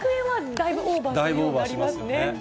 だいぶオーバーしますね。